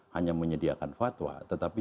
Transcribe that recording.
hanya menyediakan fatwa tetapi